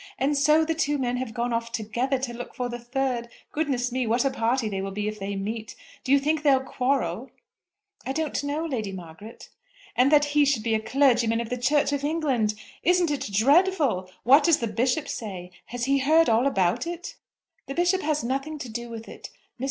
And so the two men have gone off together to look for the third. Goodness me; what a party they will be if they meet! Do you think they'll quarrel?" "I don't know, Lady Margaret." "And that he should be a clergyman of the Church of England! Isn't it dreadful? What does the Bishop say? Has he heard all about it?" "The Bishop has nothing to do with it. Mr.